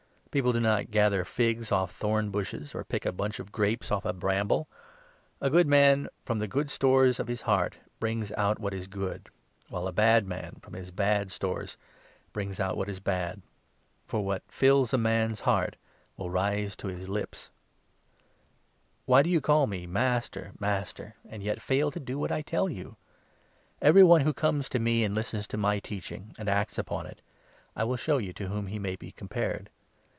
People do not gather figs off thorn bushes, nor pick a bunch of grapes off a bramble. A good 45 man, from the good stores of his heart, brings out what is good ; while a bad man, from his bad stores, brings out what is bad. For what fills a man's heart will rise to his lips. Why 46 Th« two do You call me ' Master ! Master !' and yet fail to Foundations, do what I tell you ? Every one who comes to me 47 and listens to my teaching and acts upon it — I will show you to whom he may be compared.